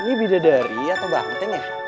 ini bidadari atau banteng ya